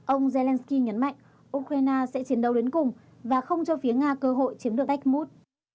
ông zelenskyy nhấn mạnh ukraine sẽ chiến đấu đến cùng và không cho phía nga cơ hội chiếm được pekmut